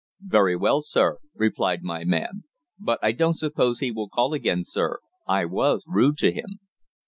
"Very well, sir," replied my man. "But I don't suppose he will call again, sir. I was rude to him."